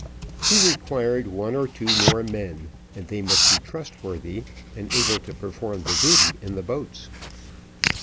He required one or two more men, and they must be trustworthy, and able to perform the duty in the boats.